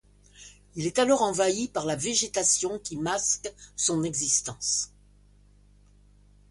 Il est alors envahi par la végétation qui masque son existence.